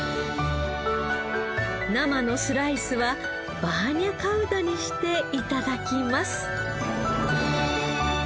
生のスライスはバーニャカウダにして頂きます。